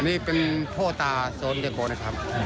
อันนี้เป็นโภตาสอนเรียกว่านะครับ